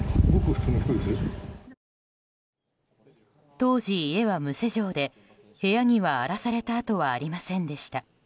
当時、家は無施錠で部屋には荒らされた跡はありませんでした。